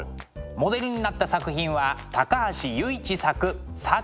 モデルになった作品は高橋由一作「鮭」です。